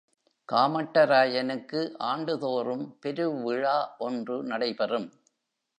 காமட்டராயனுக்கு ஆண்டுதோறும் பெரு விழா ஒன்று நடைபெறும்.